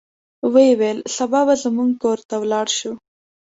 ویې ویل سبا به زموږ کور ته ولاړ شو.